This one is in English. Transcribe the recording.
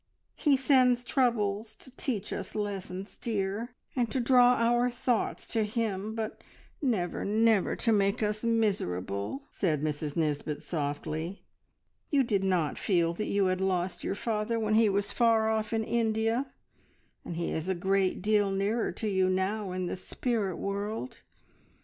He sends troubles to teach us lessons, dear, and to draw our thoughts to Him, but never, never to make us miserable," said Mrs Nisbet softly. "You did not feel that you had lost your father when he was far off in India, and he is a great deal nearer to you now in the spirit world.